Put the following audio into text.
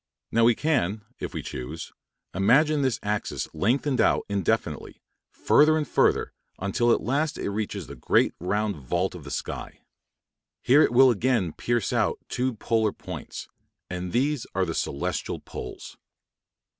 Now we can, if we choose, imagine this axis lengthened out indefinitely, further and further, until at last it reaches the great round vault of the sky. Here it will again pierce out two polar points; and these are the celestial poles.